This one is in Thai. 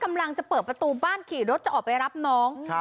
กำลังจะเปิดประตูบ้านขี่รถจะออกไปรับน้อง